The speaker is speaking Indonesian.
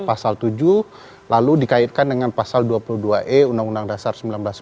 pasal tujuh lalu dikaitkan dengan pasal dua puluh dua e undang undang dasar seribu sembilan ratus empat puluh lima